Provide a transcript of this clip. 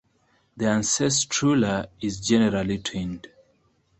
The ancestrula is generally twinned.